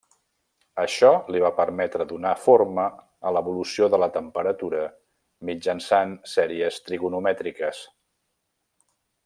Això li va permetre donar forma a l'evolució de la temperatura mitjançant sèries trigonomètriques.